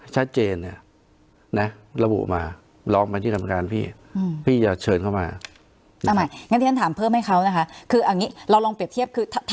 ชัดเจนเนี่ย